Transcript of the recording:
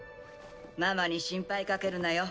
ママに心配かけるなよ。